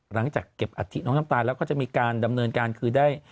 หลังจากเก็บอัฐิน้องน้ำตาลแล้วก็จะมีการดำเนินการคือได้